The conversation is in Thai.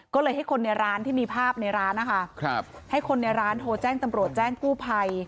ก็เลยให้คนในร้านที่มีภาพในร้านนะคะให้คนในร้านโทรแจ้งตำรวจแจ้งกู้ภัย